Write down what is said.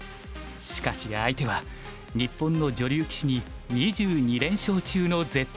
しかし相手は日本の女流棋士に２２連勝中の絶対女王。